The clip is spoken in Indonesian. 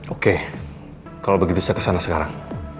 oke kalau begitu saya kesana sekarang